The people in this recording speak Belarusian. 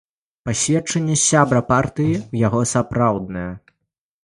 Пасведчанне сябра партыі ў яго сапраўднае.